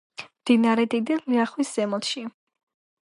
მდინარე დიდი ლიახვის ზემოთში.